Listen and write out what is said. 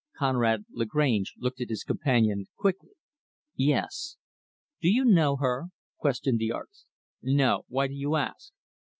Conrad Lagrange looked at his companion, quickly. "Yes." "Do you know her?" questioned the artist. "No. Why do you ask?"